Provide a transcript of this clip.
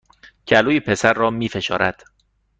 گلوی پسر را می فشارد